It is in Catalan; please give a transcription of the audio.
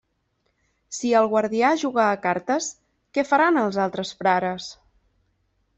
Si el guardià juga a cartes, què faran els altres frares?